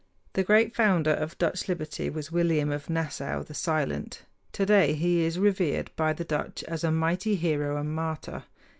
The great founder of Dutch liberty was William of Nassau, the Silent. Today he is revered by the Dutch as a mighty hero and martyr.